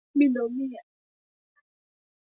Waumawiya walikaza jitihada huko Afrika ya kaskazini